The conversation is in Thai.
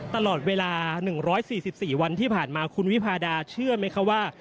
ตลอดเวลา๑๔๔วันที่ผ่านมาคุณวิพาดาเชื่อไหมคะว่า